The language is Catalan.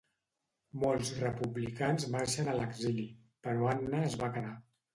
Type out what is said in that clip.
Molts republicans marxen a l'exili, però Anna es va quedar.